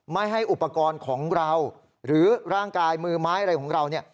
ไม่ให้อุปกรณ์ของเราหรือร่างกายมือไม้อะไรของเราเนี่ย